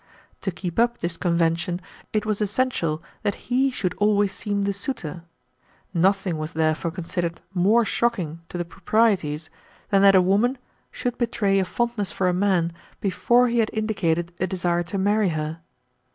To keep up this convention it was essential that he should always seem the suitor. Nothing was therefore considered more shocking to the proprieties than that a woman should betray a fondness for a man before he had indicated a desire to marry her.